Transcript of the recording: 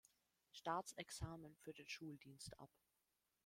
Staatsexamen für den Schuldienst ab.